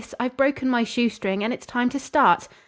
I've broken my shoe string and it's time to start."